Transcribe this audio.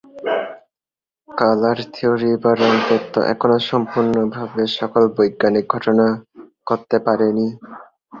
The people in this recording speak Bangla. কালার থিওরি বা রঙ তত্ব এখনো সম্পূর্ণভাবে সকল বৈজ্ঞানিক ঘটনা করতে পারে নি।